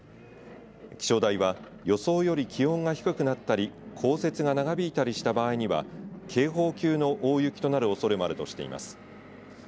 気象台は予想より気温が低くなったり降雪が長引いたりした場合には警報級の大雪となるおそれもあるとしています。